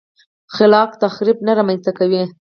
خلاق تخریب نه رامنځته کوي.